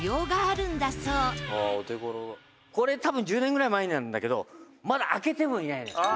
「これ多分１０年ぐらい前になるんだけどまだ開けてもいないのよ」